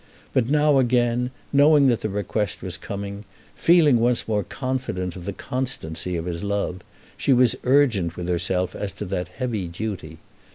But now again, knowing that the request was coming, feeling once more confident of the constancy of his love, she was urgent with herself as to that heavy duty.